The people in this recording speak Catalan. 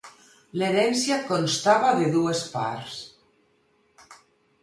L’herència constava de dues parts.